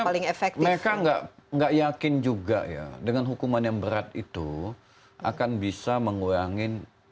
paling efektif mereka enggak enggak yakin juga ya dengan hukuman yang berat itu akan bisa mengurangi